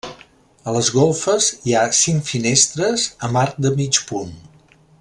A les golfes hi ha cinc finestres amb arc de mig punt.